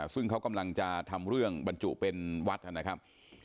ซึ่งเขากำลังจะทำเรื่องบรรจุเป็นวัดนะครับ